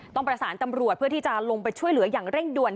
ต้องประสานตำรวจเพื่อที่จะลงไปช่วยเหลืออย่างเร่งด่วน